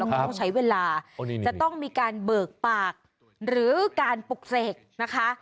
ต้องใช้เวลาจะต้องมีการเบิกปากหรือการปลุกเสกนะคะ